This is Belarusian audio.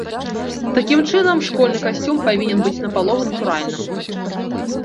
Такім чынам, школьны касцюм павінен быць напалову натуральным.